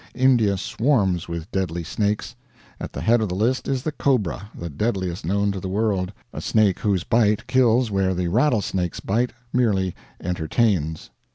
India swarms with deadly snakes. At the head of the list is the cobra, the deadliest known to the world, a snake whose bite kills where the rattlesnake's bite merely entertains.